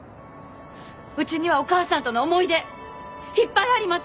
うちにはお母さんとの思い出いっぱいあります！